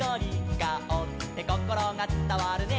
「カオってこころがつたわるね」